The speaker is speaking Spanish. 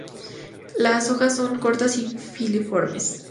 Las hojas son cortas y filiformes.